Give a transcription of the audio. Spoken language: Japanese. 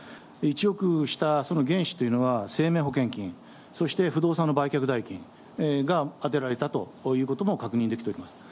１億したその原資というのは、生命保険金、そして不動産の売却代金が充てられたということも確認できております。